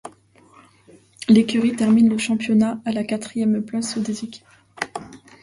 L'écurie termine le championnat à la quatrième place du classement des équipes.